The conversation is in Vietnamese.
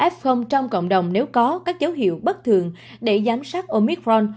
f trong cộng đồng nếu có các dấu hiệu bất thường để giám sát omitforn